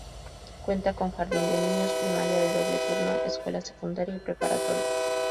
Cuenta con jardín de niños, primaria de doble turno, escuela secundaria y preparatoria.